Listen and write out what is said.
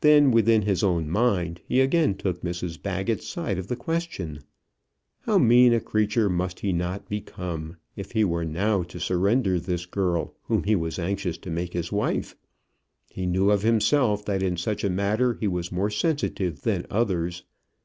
Then within his own mind he again took Mrs Baggett's side of the question. How mean a creature must he not become, if he were now to surrender this girl whom he was anxious to make his wife! He knew of himself that in such a matter he was more sensitive than others.